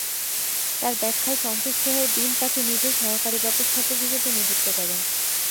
তার ব্যাখ্যায় সন্তুষ্ট হয়ে বিন তাকে নিজের সহকারী ব্যবস্থাপক হিসেবে নিযুক্ত করেন।